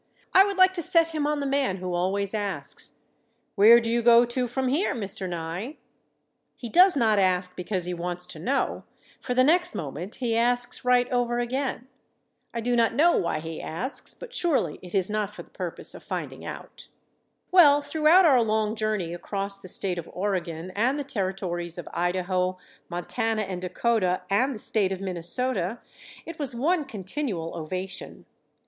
I would like to set him on the man who always asks: "Where do you go to from here, Mr. Nye?" He does not ask because he wants to know, for the next moment he asks right over again. I do not know why he asks, but surely it is not for the purpose of finding out. Well, throughout our long journey across the State of Oregon and the Territories of Idaho, Montana and Dakota, and the State of Minnesota, it was one continual ovation.